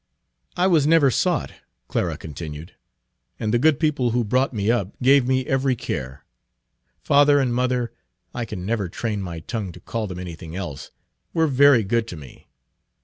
"I was never sought," Clara continued, Page 47 "and the good people who brought me up gave me every care. Father and mother I can never train my tongue to call them anything else were very good to me.